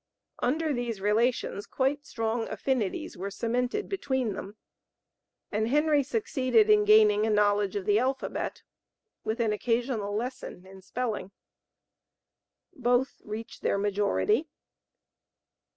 Under these relations quite strong affinities were cemented between them, and Henry succeeded in gaining a knowledge of the alphabet with an occasional lesson in spelling. Both reached their majority.